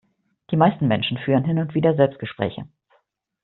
Die meisten Menschen führen hin und wieder Selbstgespräche.